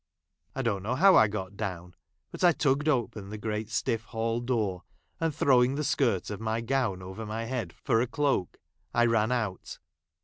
I don't know how I got down, but I tugged open the great, stiff i hall door ; and, throwing the skirt of ray gown * over my head for a cloak, I ran out.